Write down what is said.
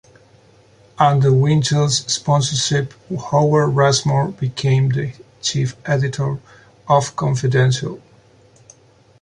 Under Winchell's sponsorship, Howard Rushmore became the chief editor of Confidential.